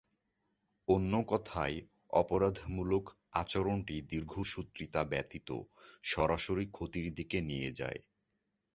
অন্য কথায় অপরাধমূলক আচরণটি দীর্ঘসূত্রিতা ব্যতীত সরাসরি ক্ষতির দিকে নিয়ে যায়।